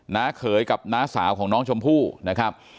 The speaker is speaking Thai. เขยกับน้าสาวของน้องชมพู่นะครับ